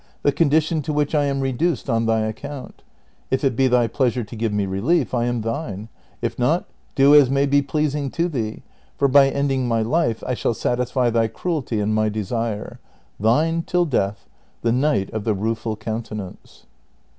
201 enemj', tlie condition to whicli I am reduced on tliy account; if it be tiiy pleasui'e to give me relief, I am thine; if not, do as maybe pleasing to thee ; for by ending my life I shall satisfy thy cruelty and my desire. " Thine till death, "The Knight of the Rueful Countenance."